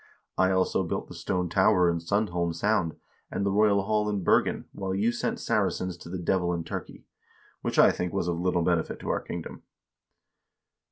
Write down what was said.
I also built the stone tower in Sundholm Sound, and the royal hall in Bergen, while you sent Saracens to the devil in Turkey, which, I think, was of little benefit to our kingdom.'